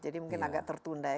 jadi mungkin agak tertunda ya